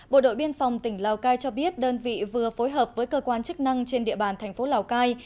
bộ đội biên phòng tỉnh lào cai cho biết đơn vị vừa phối hợp với cơ quan chức năng trên địa bàn thành phố lào cai